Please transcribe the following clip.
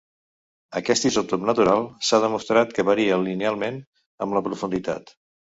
Aquest isòtop natural s’ha demostrat que varia linealment amb la profunditat.